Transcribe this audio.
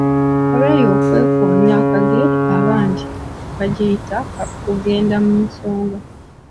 Oba “ey'okwekoona akagere” abandi bagiyita “kugenda mu nsonga”.